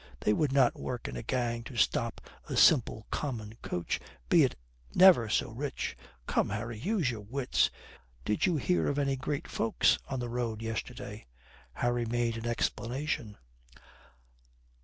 They would not work in a gang to stop a simple, common coach, be it never so rich. Come, Harry, use your wits. Did you hear of any great folks on the road yesterday?" Harry made an exclamation.